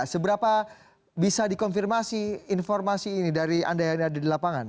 seberapa bisa dikonfirmasi informasi ini dari anda yang ada di lapangan